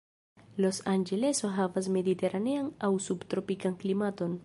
Los Anĝeleso havas mediteranean aŭ subtropikan klimaton.